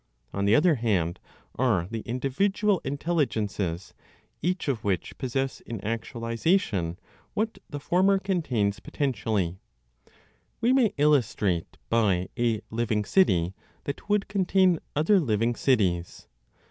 On the other hand, are the individual intelligences, each of which possess in actualization what the former contains potentially. We may illustrate by a living city that would contain other living cities.